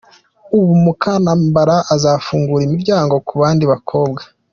Ubu, Mukantambara azafungura imiryango ku bandi bakobwa.